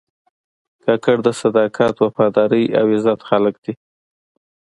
کاکړ د صداقت، وفادارۍ او عزت خلک دي.